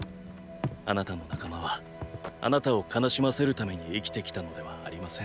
あなたの仲間はあなたを悲しませるために生きてきたのではありません。